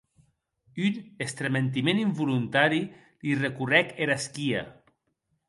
Un estrementiment involontari li recorrec era esquia.